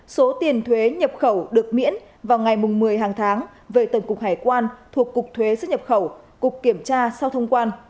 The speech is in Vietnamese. số tiền thuế nhập khẩu được miễn vào ngày một mươi hàng tháng về tổng cục hải quan thuộc cục thuế xuất nhập khẩu cục kiểm tra sau thông quan